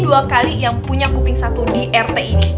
dua kali yang punya kuping satu di rt ini